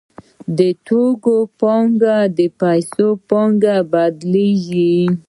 د توکو پانګه د پیسو په پانګه بدلېږي